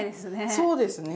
そうですね。